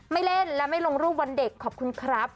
เล่นและไม่ลงรูปวันเด็กขอบคุณครับ